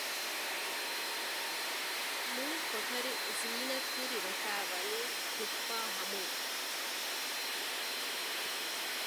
މުޅި ކޮޓަރި ޒީނަތްތެރި ވެފައިވަނީ ފުއްޕާހަމުން